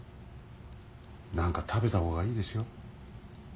何か食べた方がいいですよ。